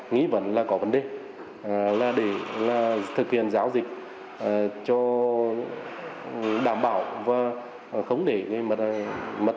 nghĩ vẫn là có vấn đề là để thực hiện giáo dịch cho đảm bảo và không để mất tài sản